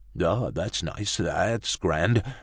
"Ah! that's nice, that's grand!